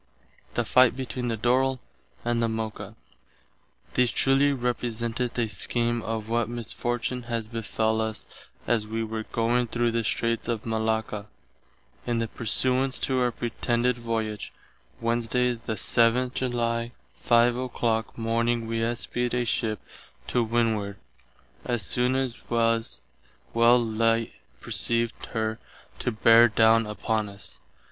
_ THE FIGHT BETWEEN THE DORRILL AND THE MOCA These truly representeth a scheem of what misfortune has befell us as we were going through the streights of Malacca, in the persuance to our pretended voyage, vizt., Wednesday the 7th July, 5 o'clock morning we espied a ship to windward; as soon as was well light perceived her to bare down upon us.